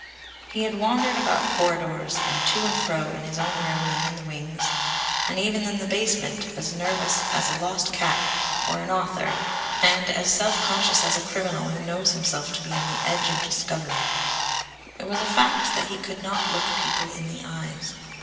He had wandered about corridors and to and fro in his own room and in the wings, and even in the basement, as nervous as a lost cat or an author, and as self conscious as a criminal who knows himself to be on the edge of discovery. It was a fact that he could not look people in the eyes.